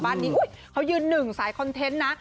บ้านนี้เขายืนหนึ่งสายคอนเทนต์นะ